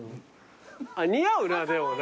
似合うなでもな。